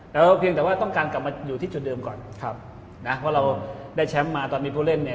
แล้วเพียงแต่ว่าต้องการกลับมาอยู่ที่จุดเดิมก่อนครับนะเพราะเราได้แชมป์มาตอนนี้ผู้เล่นเนี่ย